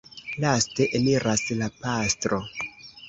Laste eniras la pastro.